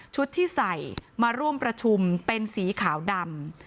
ที่ใส่มาร่วมประชุมเป็นสีขาวดำ